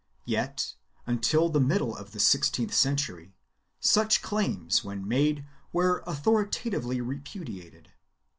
Yet, until the middle of the sixteenth century, such claims when made were authoritatively repudiated.